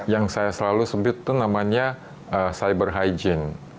yang saya selalu sebut itu namanya cyber hygiene